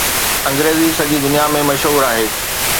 انگريزي سڄي دنيا ۾ مشهور آهي